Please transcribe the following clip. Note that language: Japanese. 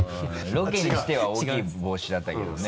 ロケにしては大きい帽子だったけどね。